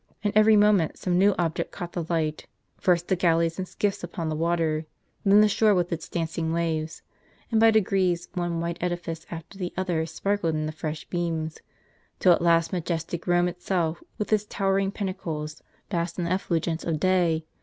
c ^ ^:i and every moment some new object caught the hght, first the galleys and skiffs upon the water, then the shore with its dancing waves ; and by degrees one white edifice after the other sparkled in the fresh beams, till at last majestic Eome itself, with its toAvering pinnacles, basked in the effulgence of day.